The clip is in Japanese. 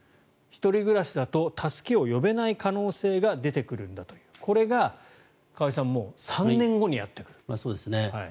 １人暮らしだと助けを呼べない可能性が出てくるこれが、河合さんもう３年後にやってくると。